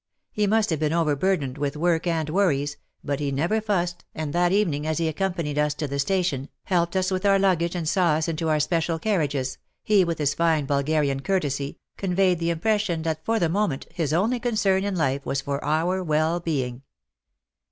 He must have been over burdened with work and worries, but he never fussed, and that evening, as he accompanied us to the station, helped us with our luggage and saw us into our special carriages, he, with his fine Bulgarian courtesy, conveyed the impres sion that for the moment his only concern in life was for our well being.